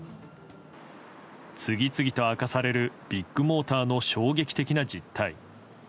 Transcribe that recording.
次々と明かされるビッグモーターの衝撃的な実態。